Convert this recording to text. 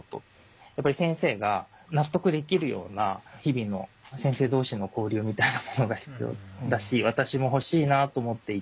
やっぱり先生が納得できるような日々の先生同士の交流みたいなものが必要だし私も欲しいなと思っていて。